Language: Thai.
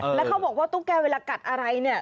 แล้วเขาบอกว่าตุ๊กแก่เวลากัดอะไรเนี่ย